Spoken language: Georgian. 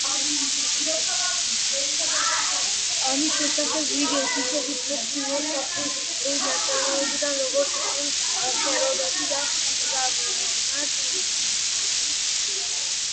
ამის შესახებ ვიგებთ ისეთი ფილოსოფოსების ნაწარმოებებიდან, როგორიც იყვნენ, ჰეროდოტე და სტრაბონი.